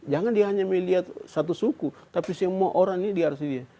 jangan dia hanya melihat satu suku tapi semua orang ini dia harus dilihat